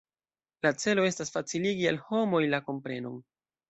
La celo estas faciligi al homoj la komprenon.